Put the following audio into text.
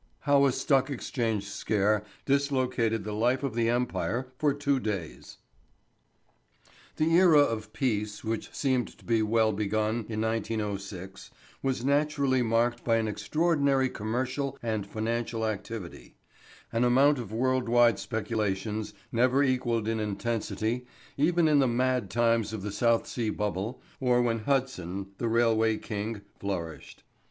How a Stock Exchange Scare Dislocated the Life of the Empire for Two Days. The era of peace which seemed to be well begun in 1906 was naturally marked by an extraordinary commercial and financial activity; an amount of world wide speculations never equalled in intensity, even in the mad times of the South Sea Bubble, or when Hudson, the Railway King, flourished.